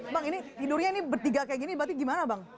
bang ini tidurnya bertiga seperti ini berarti bagaimana bang